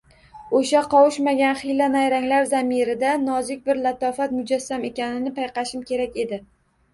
O ‘sha qovushmagan hiyla-nayranglar zamirida nozik bir lalofat mujassam ekanini payqashim kerak edi.